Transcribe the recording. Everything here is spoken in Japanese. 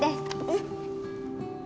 えっ？